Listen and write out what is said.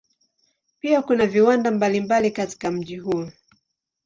Pia kuna viwanda mbalimbali katika mji huo.